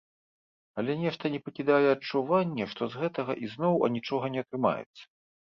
Але нешта не пакідае адчуванне, што з гэтага ізноў анічога не атрымаецца.